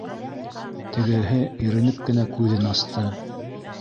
Тегеһе иренеп кенә күҙен асты.